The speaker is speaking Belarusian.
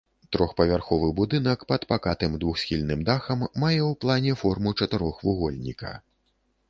Трохпавярховы будынак пад пакатым двухсхільным дахам мае ў плане форму чатырохвугольніка.